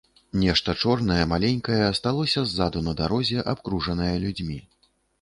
Нешта чорнае, маленькае асталося ззаду на дарозе, абкружанае людзьмі.